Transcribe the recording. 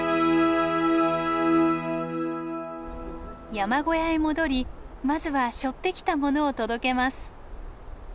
山小屋へ戻りまずは背負ってきたものを届けます。